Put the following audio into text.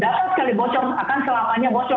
data sekali bocor akan selamanya bocor